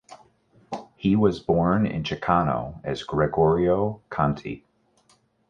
He was born in Ceccano as Gregorio Conti.